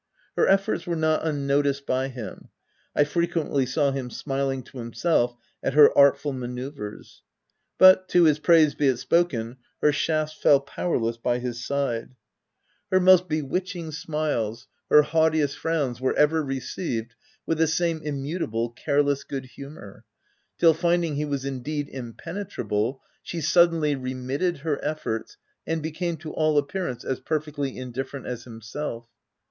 Her ef forts were not unnoticed by him i I frequently saw him smiling to himself at her artful ma noeuvres : but, to his praise be it spoken, her shafts fell powerless by his side. Her most VOL. II. L 218 THE TENANT bewitching smiles, her haughtiest frowns were ever received with the same immutable, careless good humour ; till, rinding he was indeed im penetrable, she suddenly remitted her efforts, and became, to all appearance, as perfectly in different as himself.